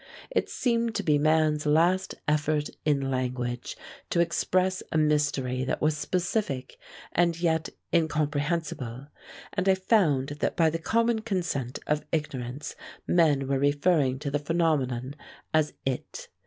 It seemed to be man's last effort in language to express a mystery that was specific and yet incomprehensible, and I found that by the common consent of ignorance men were referring to the phenomenon as IT.